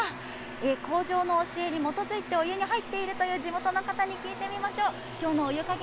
口上の教えに基づいて、お湯に入っているという地元の方に聞いてみましょう。